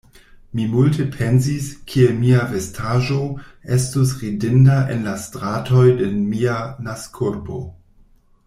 Mi multe pensis, kiel mia vestaĵo estus ridinda en la stratoj de mia naskurbo.